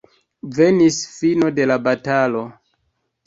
Venis fino de la batalo.